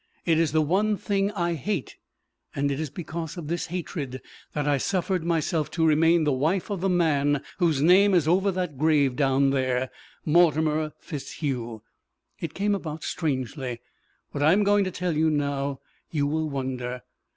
It is the one thing I hate. And it is because of this hatred that I suffered myself to remain the wife of the man whose name is over that grave down there Mortimer FitzHugh. It came about strangely what I am going to tell you now. You will wonder.